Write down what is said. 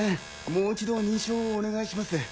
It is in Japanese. もう一度認証をお願いします。